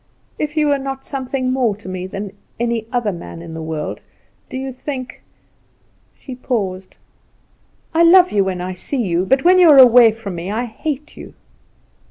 "If you were not something more to me than any other man in the world, do you think " She paused. "I love you when I see you; but when you are away from me I hate you."